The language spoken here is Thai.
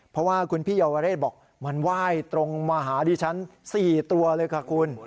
เพราะว่าคุณพี่เยาวเรศบอกมันไหว้ตรงมาหาดิฉัน๔ตัวเลยค่ะคุณ